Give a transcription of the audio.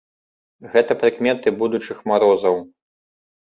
Гэта прыкметы будучых марозаў.